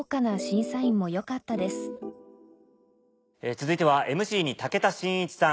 続いてはＭＣに武田真一さん